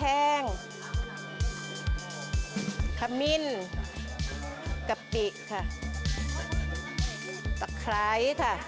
kering kamin kepik takrai